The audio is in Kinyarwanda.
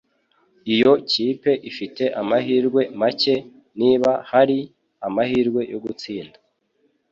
Iyo kipe ifite amahirwe make, niba ahari, amahirwe yo gutsinda.